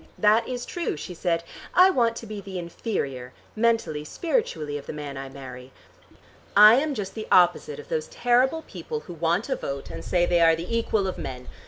"That is true," she said. "I want to be the inferior, mentally, spiritually, of the man I marry. I am just the opposite of those terrible people who want a vote, and say they are the equal of men.